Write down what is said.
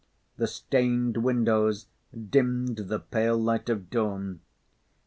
The stained windows dimmed the pale light of dawn.